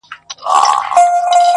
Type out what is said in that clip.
ښه خواږه لکه ګلان داسي ښایسته وه،